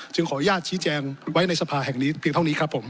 ขออนุญาตชี้แจงไว้ในสภาแห่งนี้เพียงเท่านี้ครับผม